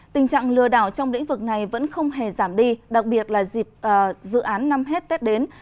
tình trạng lừa đảo trong lĩnh vực này vẫn không hề giảm đi đặc biệt là dịp dự án năm hết tết đến